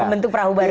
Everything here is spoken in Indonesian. membentuk perahu baru